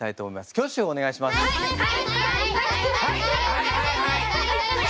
挙手をお願いします。